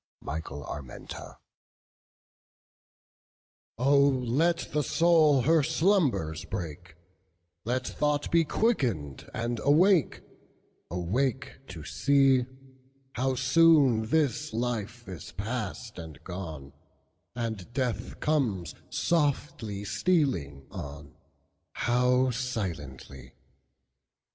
Coplas de Manrique OH let the soul her slumbers break, Let thought be quickened, and awake; Awake to seeHow soon this life is past and gone, And death comes softly stealing on, How silently!